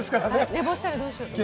寝坊したらどうしようと思って。